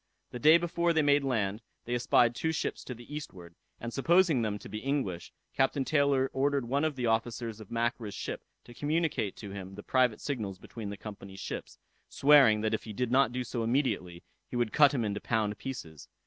The day before they made land, they espied two ships to the eastward, and supposing them to be English, Captain Taylor ordered one of the officers of Mackra's ship to communicate to him the private signals between the Company's ships, swearing that if he did not do so immediately, he would cut him into pound pieces.